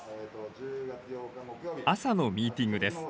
朝のミーティングです。